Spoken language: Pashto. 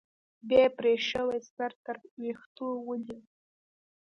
بيا يې پرې شوى سر تر ويښتو ونيو.